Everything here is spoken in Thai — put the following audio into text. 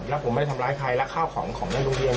แล้วผมไม่ได้ทำร้ายใครและข้าวของของในโรงเรียน